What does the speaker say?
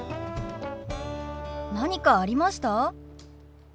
何かありました？